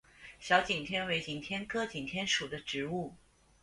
小景天为景天科景天属的植物。